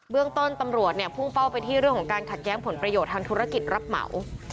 เรื่องต้นตำรวจเนี่ยพุ่งเป้าไปที่เรื่องของการขัดแย้งผลประโยชน์ทางธุรกิจรับเหมา